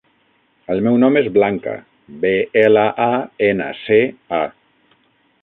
El meu nom és Blanca: be, ela, a, ena, ce, a.